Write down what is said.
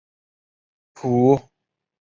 普雷赛莱。